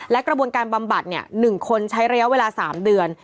และกระบวนการบำบัด๑คนใช้ระยะเวลา๓เดือน